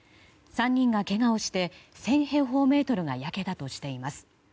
３人がけがをして１０００平方メートルが焼けたとしています。